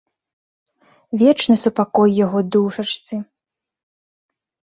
Вечны супакой яго душачцы!